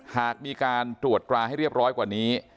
หากมีการตรวจตราให้เรียบร้อยกว่านี้